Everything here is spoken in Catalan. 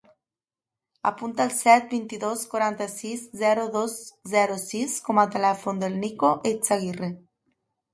Apunta el set, vint-i-dos, quaranta-sis, zero, dos, zero, sis com a telèfon del Nico Eizaguirre.